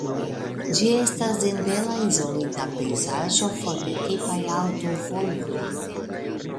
Ĝi estas en bela izolita pejzaĝo for de tipaj aŭtovojoj.